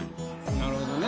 なるほどね。